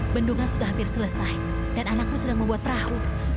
bendungan sudah hampir selesai dan anakku sudah membuat perahu